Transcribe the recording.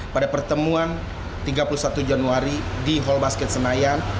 pada pertemuan tiga puluh satu januari di hall basket senayan